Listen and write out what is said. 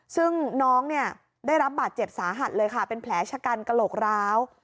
ซึ่งน้องเนี่ยได้รับบาดเจ็บสาหัสเลยค่ะเป็นแผลชะกันกระโหลกร้าว